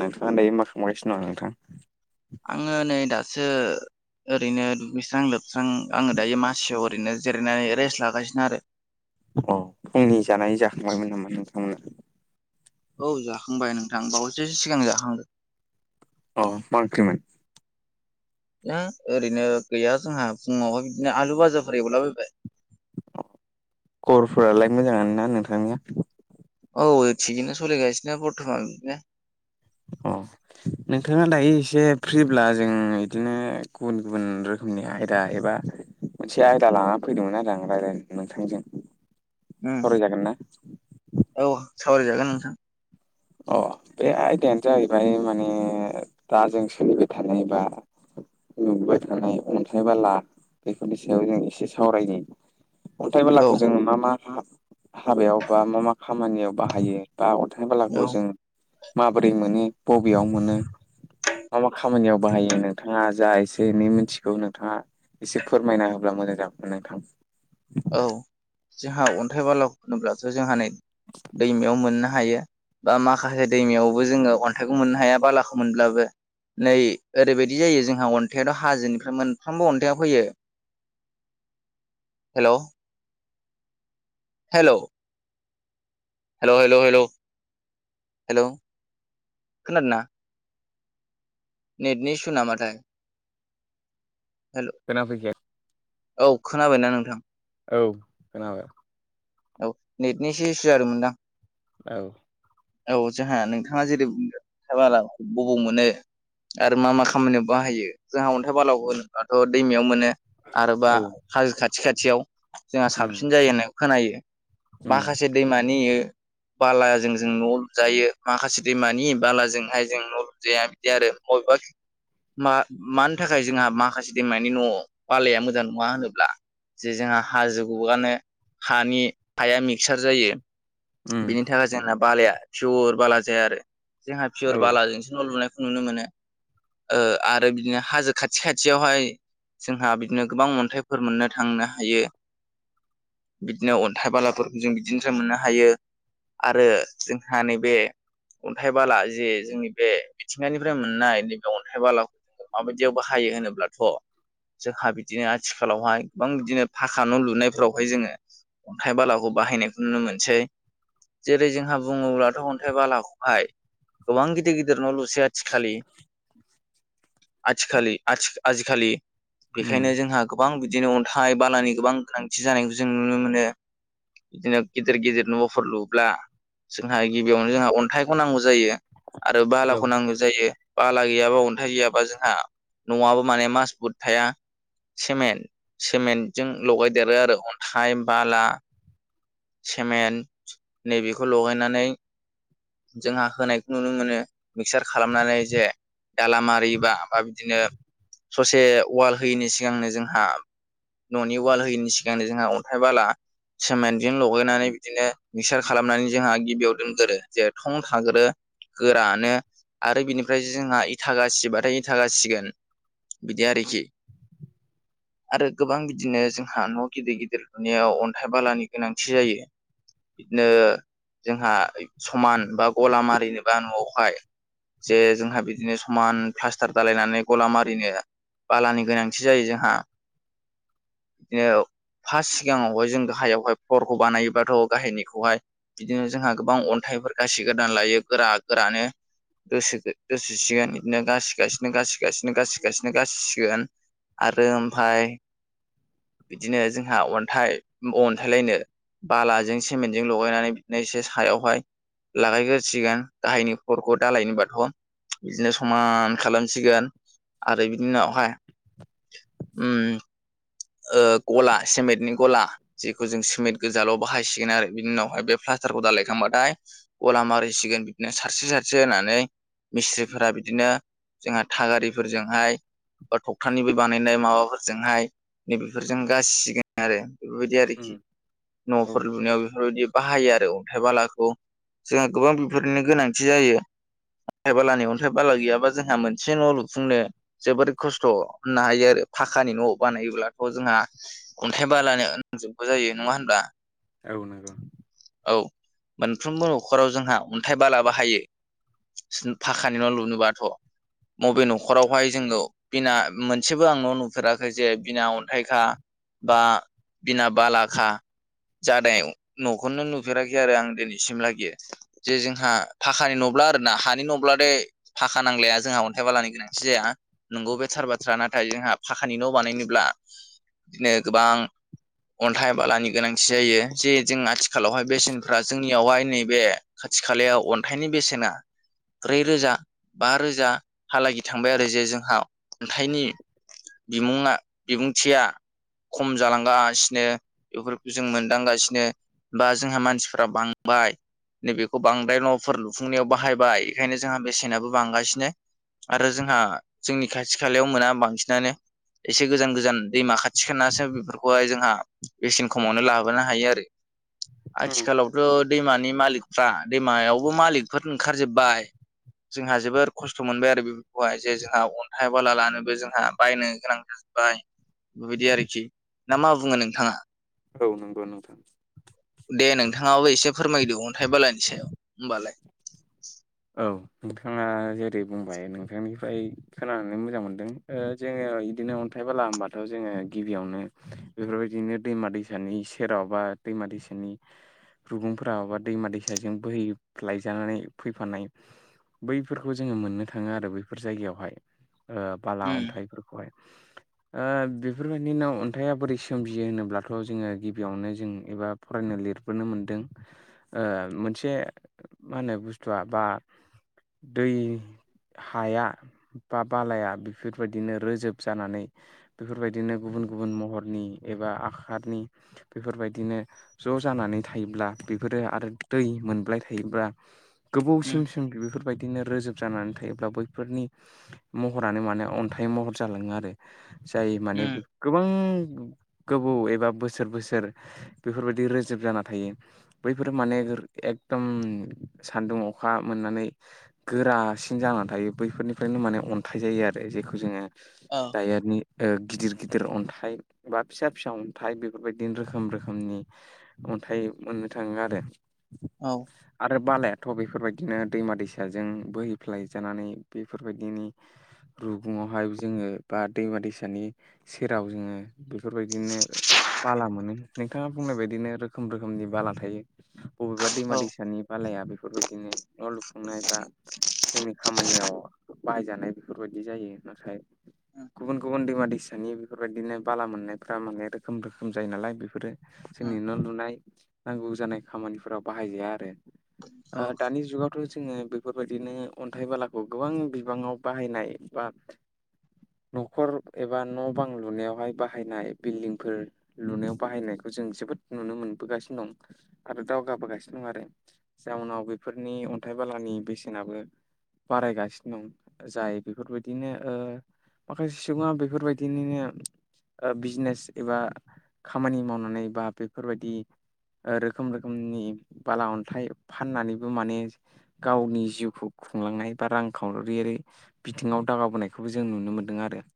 नोंथाङा दायो मा खालामां गासिनो दङ नोंथां? आङो नै दासो ओरैनो दुगैस्रां लोबस्रां आङो दायो मासियाव ओरैनो जिरायनानै रेस्ट लागासिनो आरो अ फुंनि जानाय जाखांबायमोन नामा नोंथांमोना औ जाखांबाय नोंथां बावैसोसो सिगां जाखांदो अ मा ओंख्रि मोन। द ओरैनो गैया जोंहा फुङावहाय बिदिनो आलु बाजारफोर एव लाबायबाय खरफोरालाय मोजां ना नोंथांनिया? औ थिगनो सलि गायसिनाथ। अ नोंथाङा दायो एसे फ्रिब्ला जों बिदिनो गुबुन गुबुन रोखोमनि आयदा एबा मोनसे आयदा लानानै फैदोंमोन आरो आं रायज्लाय नोंथांजों सावरायजागोन ना औ सावरायजागोन नोंथां अ बे आयदायानो जाहैबाय माने दा जों सोलिबाय थानायबा नुबाय थानाय अन्थाइ बाला बेफोरनि सायाव जों एसे सावरायानि। अन्थाइ औ बेलाखौ जोङो ना मा हा हाबायाव बा मा मा खामानियाव बाहायो बा अनथनाय औ बालाखौ जों माबोरै मोनो बबेयाव मोनो मा मा खामानियाव बाहायो नोंथाङा जा एसे एनै मिथिगौ नोंथाङा एसे फोरमायना होब्ला मोजां जागौमोन नोंथां औ जोंहा अन्थाइ बाला होन्लाथ' जोंहा नै दैमायाव मोननो हायो। बा माखासे दैमायावबो जोङो अन्थाइखौ मोननो हाया बालाखौ मोनब्लाबो नै ओरैबायदि जायो जोंहा अन्थाइाथ' हाजोनिफ्राय मोनफ्रोमबो अन्थाइया फैयो हेल' हेल' हेल' हेल' हेल' हेल' खोनादोंना नेटनि स नामाथाय हेल' खोनाफैदिया। औ खोनाबायना नोंथां औ खोनाबाय। औ नेटनिसे इसु जादोंमोनदां औ औ जोंहा नोंथाङा जेरै बुंदों अन्थाय बाला बबाव मोनो आरो मा मा खामानियाव बाहायो जोंहा अन्थाइ बालाावखौ होनोबथ' दैमायाव मोनो आरोबा औ हाजो खाथि खाथियाव जोंहा उम साबसिन जायो होननाय खोनायो। उम माखासे दैमानियो बालाजों जों न' लुजायो माखासे दैमानि बालाजोंहाय जों न' लुजाया बिदि आरो मबेबा मा मानि थाखाय जोंहा माखासे दैमानि न' बालाया मोजां नङा होनोब्ला जे जोंहा हाजो गोआनो हानि हाया मिक्सार जायो उम बिनि थाखाय जोंना बालाया पियर बाला जाया आरो जोंहा औ पियर बालाजोंसो न' लुनायखौ नुनो मोनो आरो बिदिनो हाजो खाथि खाथियावहाय जोंहा बिदिनो गोबां अन्थाइफोर मोननो थांनो हायो बिदिनो थाइाबालाफोरखौ जों बिदिनोसो मोननो हायो आरो जोंहा नैबे अन्थाइ बाला जे जोंनि बे मिथिंगानिफ्राय मोननाय नैबे अन्थाइ बालाखौ माबायदियावबो हायो होनोब्लाथ' जोंहा बिदिनो आथिखालावहाय गोबां बिदिनो भाखा न' लुनायफोरावहाय जोङो अन्थाइ बालाखौ बाहायनायखौ नुनो मोनसै जेरै जोंहा बुङोब्लाथ' अन्थाइ बालाखौहाय गोबां गिदिर गिदिर नाव लु स आथिखा आथिखा आजिखालि उम बेखायनो जोंहा गोबां बिदिनो अन्थाइ बालानि गोबां गोनांथि जानायखौ जों नुनो मोनो बिदिनो गिदिर गेदिर न'फोर लुब्ला जोंहा गिबियावनो जोंहा अन्थाइखौ नांगौ जायो आरो औ बालाखौ नांगौ जायो बाला गैयाबा अन्थाइ गैयाबा जोंहा न'आवबो माने मास बुट थाया सिमेन्ट सिमेन्टजों लगायदेरो आरो अन्थाइ बाला सेमेन्ट नैबेखौ लगायनानै जोंहा होनायखौ नुनो मोनो मिक्सार खालामनानै जे दाला मारियोबा बा बिदिनो ससे वाल होयिनि सिगांनो जोंहा न'नि वाल होयैनि सिगांनो जोंहा अन्थाइ बाला सेमेन्टजों लगैनानै बिदिनो मिक्सार खालामनानै जोंहा गिबियाव दोनग्रो जे थं थाग्रो गोरानो आरो बिनिफ्राय जोंहा इथागासिबाथाय इथागासिगोन बिदि आरोखि आरो गोबां बिदिनो जोंहा न' गिदिर गिदिर नुनायाव नाथाय बालानि गोनांथि जायो बिदिनो जोंहा समान बा गला मारिनोबा न'आवहाय जे जोंहा बिदिनो समान प्लास्टार दालायनानै गला मारिनो बालानि गोनांथि जायो जोंहा बिदिनो फार्स् सिगाङावहाय जों गाहायावहाय फरखौ बानायोबाथ' गाहायनिखौहाय बिदिनो जोंहा गोबां अन्थाइफोर गाससि गोदान लायो गोरा गोरानो दोसोसिगोन बिदिनो गासिगासिनो गासिगासिनो गासिगासिनो गासिसिगोन आरो ओमफ्राय बिदिनो जोंहा अन्थाइ अन्थायलायनो बालाजों सेमेन्टजों लगायनानै बिदिनो एसे सायावहाय लागायग्रोसिगोन गाहायनि फ्लरखौ दालायनि बाथ' बिदिनो समान खालामसिगोन आरो बिनि उनावहाय ओ गला सेमेन्टनि गला जेखौ जों सिमेन्ट गोजाल' बाहायसिगोन आरो बिनि उनावहाय बे प्लास्टारखौ दालायखांबाथाय गला मारिसिगोन बिदिनो सारसे सारसे होनानै मिस्थ्रिफोरा बिदिनो जोंहा थागारिफोरजोंहाय बा थखथानिबो बानायनाय माबाफोरजोंहाय नैबेफोरजों गासिगोन आरो बेफोरबायदि उम आरोखि औ न'फोर लुनायाव बेफोरबायदि बाहायो आरो अन्थाइ बालाखौ जोंहा गोबां बेफोरनि गोनांथि जायो। अन्थाइ बालानि अन्थाइ बाला गैयाबा जोंहा मोनसे न' लुफुंनो जोबोर खस्थ' होननो हायो आरो फाखानि न' बानायोब्लाथ' जोंहा अन्थाइ बालानि नांजोबगौ जायो नङा होमब्ला औ नंगौ। औ मोनफ्रोमबो न'खराव जोंहा अन्थाइ बाला बाहायो। फाखानि न' लुनोबाथ' बबे न'खरावहाय जोंङो बिना मोनसेबो आं न' नुफेराखै जे बिना अन्थाइखा बा बिना बालाखा जानायाव [unintelligible] नुफेराखै आरो आं दिनैसिमलागि। जे जोंहा फाखानि न'ब्ला आरोना हानि न'ब्लाथाय फाखा नांलाया जोंहा अन्थाइ बालानि गोनांथि जाया। नंगौ बे थार बाथ्रा नाथाय जोंहा फाखानि न' बानायनोब्ला बिदिनो गोबां अन्थाइ बालानि गोनांथि जायो जे जों आथि खालावहाय बेसेनफ्रा जोंनियावहाय नैबे खाथि खालायाव अन्थाइनि बेसेना ब्रै रोजा बा रोजा हालागि थांबाय आरो जे जोंहा खन्थाइनि बिमुंङा बिबुंथिया खम जालांगासिनो बेफोरखौ जों मोनदांगासिनो। बा जोंहा मानसिफोरा बांबाय। नैबेखौ बांद्राय न'फोर लुफुंनायाव बाहायबाय बेखायनो जोंहा बेसेनाबो बांगासिनो। आरो जोंहा जोंनि खाथि खालायाव मोना बांसिनानो। एसे गोजान गोजान दैमा खाथि खालासो बेफोरखौहाय जोंहा बेसेन खमावनो लाबोनो हायो आरो। उम आथिखालावथ' दैमानि मालिकफ्रा दैमायावबो मालिकफोर ओंखारजोबबाय। जोंहा जोबोर खस्थ' मोनबाय आरो बेफोरखौहाय जे जोंहा अन्थाइ बाला लानोबो जोंहा बायनो गोनां [inaudible] बाय बेबायदि आरोखि ना मा बुङो नोंथाङा? औ नंगौ नोंथां। दे नोंथाङाबो एसे फोरमायदो अन्थाइ बालानि सायाव होमबालाय। औ नोंथाङा जेरै बुंबाय नोंथांनिफ्राय खोनानानै मोजां मोनदों। ओ जोङो इदिनो अन्थाइ बाला होनबाथ' जोङो गिबियावनो बेफोरबायदिनो दैमा दै सानि सेराव बा दैमा दैसानि रुगुंफोरा माबा दैमा दैसाजों बोहै लायजानानै फै फानाय बैफोरखौ जोङो मोननो थाङो आरो बैफोर जायगायावहाय ओ बाला उम अन्थाइफोरखौहाय। ओ बेफोरबायदिनो अन्थाइया बोरै सोमजियो होनोब्लाथ' जोङो गिबियावनो जों एबा फरायनो लिरबोनो मोनदों ओ मोनसे मा होनो बुस तुआ बा दै हाया बा बालाया बेफोरबादिनो रोजोब जानानै बेफोरबायदिनो गुबुन गुबुन महरनि एबा आखारनि बेफोरबायदिनो ज' जानानै थायोब्ला बेफोरो आरो दै मोनबाय थायोब्ला उम गोबावसिमसिम बेफोर बायदिनो रोजोब जानानै थायोब्ला बैफोरनि महरानो माने अन्थाइ महर जालाङो आरो। जायो माने उम गोबां गोबौ एबा बोसोर बोसोर बेफोरबायदि रोजोब जाना थायो बैफोरो माने एकदम सान्दुं अखा मोननानै गोरासिन जाना थायो बैफोरनिफ्रायनो माने अन्थाइ जायो आरो जेखौ जोङो औ। [unintelligible] ओ गिदिर गिदिर अन्थाइ। बा फिसा फिसा अन्थाइ बेफोरबायदिनो रोखोम रोखोमनि अन्थाइ मोननो थाङो आरो। औ। आरो बालाया थ' बेफोरबायदिनो दैमा दैसाजों बोहैफ्लाय जानानै बेफोरबायदिनि रुगुङावहाय जोङो बा दैमा दैसानि सेराव जोङो बेफोरबायदिनो बाला मोनो नोंथाङा बुंनाय बायदिनो रोखोम रोखोमनि बाला थायो। अबेबा दैमा औ दैसानि बालाया बेफोरबायदिनो न' लुफुंनाय बा जोंनि खामानियाव बाहायजानाय बेफोरबायदि जायो। नाथाय उम गुबुन गुबुन दैमा दैसानि बेफोरबायदिनो बाला मोननायफ्रा माने रोखोम रोखोम जायो नालाय, बेफोरो उम जोंनि न' लुनाय नांगौ जानाय खामानिफोराव बाहाय जाया आरो। औ ओ दानि जुगाव थ' जोङो बेफोरबायदिनो अन्थाइ बालाखौ गोबां बिबाङाव बाहायनाय बा न'खर एबा न' बां लुनायावहाय बाहायनाय बिल्डिंफोर लुनायाव बाहायनायखौ जों जोबोद नुनो मोनबोगासिनो दं आरो दावगाबोगासिनो दं आरो। जाउनाव बेफोरनि अन्थाइ बालानि बेसेनाबो बारायगासिनो दं जाय बेफोरबायदिनो ओ माखासे सुबुङा बेफोरबायदिनिनो ओ बिजनेस एबा खामानि मावनानै बा बेफोरबायदि ओ रोखोम रोखोमनि बाला अन्थाइ फाननानैबो माने गावनि जिउखौ खुंलांनाय बा रां खावरि रै बिथिङाव दावगाबोनायखौबो जों नुनो मोन्दों आरो।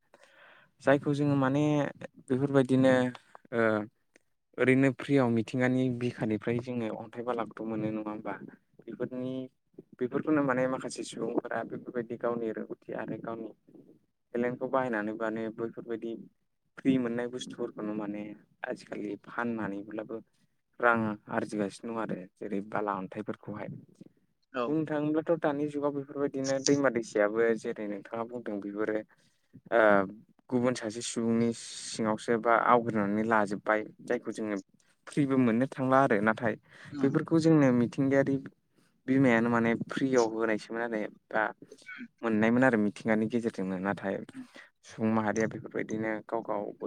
जायखौ जोङो माने बेफोरबायदिनो ओ ओरैनो फ्रियाव मिथिंगानि बिखानिफ्राय जोङो अन्थाइ बालागथ' मोनो नङा बा बेफोरनि बेफोरखौनो माने माखासे सुबुंफोरा बेफोरबायदि गावनि रोंगौथि आरो गावनि टेलेन्टखौ बाहायनानै माने बैफोरबायदि फ्रि मोननाय बुस्थुफोरखौनो माने आजिखालि फाननानैब्लाबो रां आरजिगासिनो दं आरो। जेरै बाला अन थायफोरखौहाय, औ बुंनो थाङोब्लाथ' दानि जुगाव बेफोरबायदिनो दैमा दैसायाबो जेरै नों नोंथाङा बुंदों बेफोरो ओ गुबुन सासे सुबुंनि सिङावसो बा आवग्रिनानै लाजोबबाय जायखौ जोङो फ्रिबो मोननो थांला आरो। नाथाय उम बेफोरखौ जोंनो मिथिं मिथिंगायारि बिमायानो माने फ्रियाव होनायसोमोन आरो बा मोननायमोन आरो मिथिंगानि गेजेरजोंनो। नाथा थाय सुबुं माहारिया बेफोरबायदिनो गाव गावबो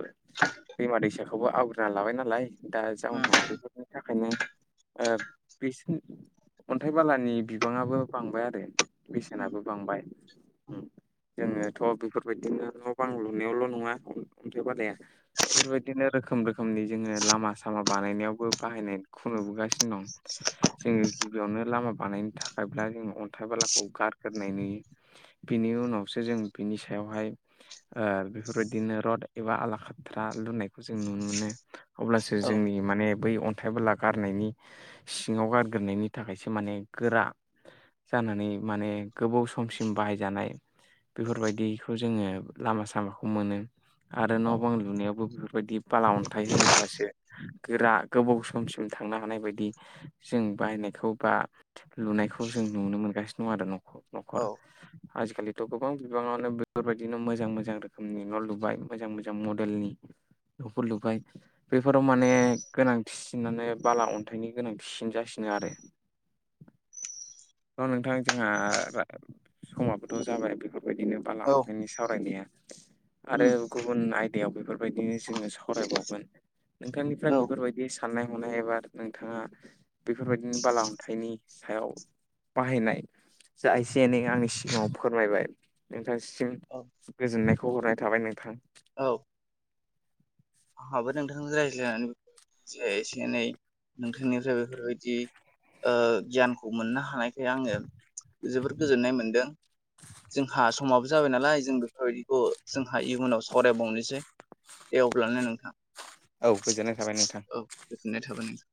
दैमा दैसा खौबो आवग्रिना लाबाय नालाय दा उम जाउनाव बेफोरनि थाखायनो ओ ओम अन्थाइ बालानि बिबाङाबो बांबाय आरो। उम बेसेनाबो बांबाय। ओम। जोङोथ' बेफोरबायदिनो न' बां लुनायावल' नङा अन्थाइ बालाया बेफोरबायदिनो रोखोम रोखोमनि जोङो लामा सामा बानायनायावबो बाहायनायखौ नुबोगासिनो दं। [inaudible] जोङो गिबियावनो लामा बानायनो थाखायब्ला जोङो अन्थाइ बालाखौ गारग्रोनाय नुयो। बिनि उनावसो जों बिनि सायावहाय ओ बेफोरबायदिनो रड एबा आलाखाथ्रा लुनायखौ जों नुनो मोनो। अब्लासो औ जोंनि माने बै अन्थाइ बाला गारनायनि सिङाव गार गोरनायनि थाखायसो माने गोरा जानानै माने गोबाव समसिम बाहायजानाय बेफोरबायदिखौ जोङो लामा सामाखौ मोनो। आरो न' औ बां लुनायावबो बेफोरबायदि बाला अन्थाइ होयोब्लासो गोरा गोबाव समसिम थांनो हानाय बायदि जों बाहायनायखौ बा लुनायखौ जों नुनो मोनगासिनो दं आरो न'ख-न'खर। औ आजिखालिथ' गोबां बिबाङावनो बेफोरबायदिनो मोजां मोजां रोखोमनि न' लुबाय मोजां मोजां मडेलनि न'फोर लुबाय। बेफोराव माने गोनांथिसिनानो बाला अन्थाइनि गोनांथिसिन जासिनो आरो। औ नोंथां जोंहा समाबोथ' जाबाय बेफोरबायदिनो बाला औ अन्थाइनि सावरायनाया आरो उम गुबुन आय - दायाव बेफोरबायदिनो जोङो सावरायबावगोन। नोंथांनिफ्राय औ बेफोरबायदि साव साननाय हनाय एबा नोंथाङा बेफोरबायदिनि बाला-अन्थाइनि सायाव बाहायनाय जा एसे एनै आंनि सिगाङाव फोरमायबाय नोंथांसिम औ गोजोननायखौ हरनाय थाबाय नोंथां। औ [unintelligible] जा एसे एनै नोंथांनिफ्राय बेफोरबायदि ओ गियानखौ मोननो हानाय खाय आङो जोबोर गोजोननाय मोनदों। जोंहा समाबो जाबाय नालाय जों बेफोरबायदिखौ जोंहा इयुनाव सावरायबावनोसै दे अब्ला ने नोंथां। औ गोजोननाय थाबाय नोंथां औ गोजोननाय थाबाय नोंथां।